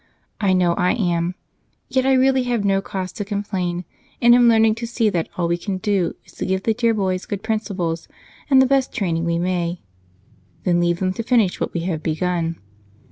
I know I am yet I really have no cause to complain and am learning to see that all we can do is to give the dear boys good principles and the best training we may, then leave them to finish what we have begun."